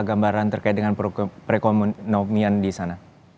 gambaran terkait dengan perekonomian di sana